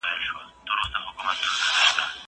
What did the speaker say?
زه پرون ليکنې وکړې!!